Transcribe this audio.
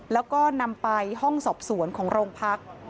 แล้วก็นำไปห้องสอบสวนของโรงพัก